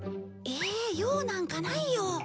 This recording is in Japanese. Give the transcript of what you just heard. ええ用なんかないよ。